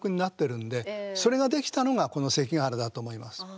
それが出来たのがこの関ヶ原だと思います。